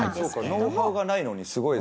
ノウハウがないのにすごいですね